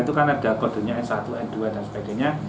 itu kan ada kodenya s satu n dua dan sebagainya